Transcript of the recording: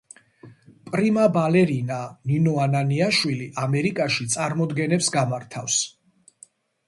პრიმა ბალერინა ნინო ანანიაშვილი ამერიკაში წარმოდგენებს გამართავს.